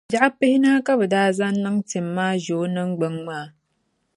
Biɛɣu pihinahi ka bɛ daa zaŋ niŋ tim maa ʒe o niŋgbuŋ maa.